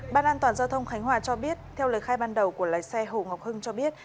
ban an toàn giao thông khánh hòa cho biết theo lời khai ban đầu của lái xe hồ ngọc hưng cho biết